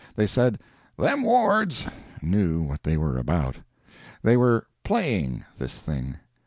They said "them Ward's" knew what they were about. They were "playing" this thing.